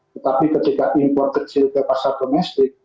tetapi ketika impor kecil ke pasar domestik